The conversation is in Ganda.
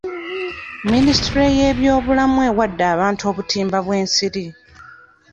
Minisitule y'ebyobulamu ewadde abantu obutimba bw'ensiri.